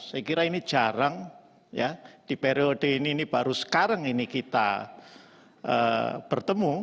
saya kira ini jarang ya di periode ini ini baru sekarang ini kita bertemu